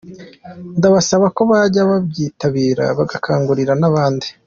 Ndabasaba ko bajya babyitabira bagakangurira n’abandi.